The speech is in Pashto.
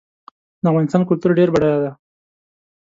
د افغانستان کلتور ډېر بډای دی.